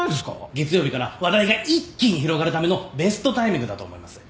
月曜日から話題が一気に広がるためのベストタイミングだと思います。